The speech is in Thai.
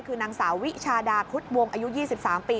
คือนางสาววิชาดาคุดวงอายุ๒๓ปี